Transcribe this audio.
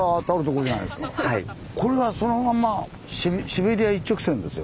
これはそのままシベリア一直線ですよ。